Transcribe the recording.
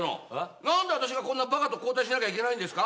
何で私がこんなバカと交代しなきゃいけないんですか？